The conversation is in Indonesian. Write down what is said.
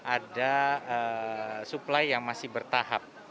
ada supply yang masih bertahap